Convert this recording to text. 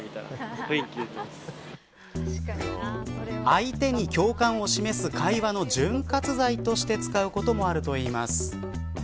相手に共感を示す会話の潤滑剤として使うこともあるといいます。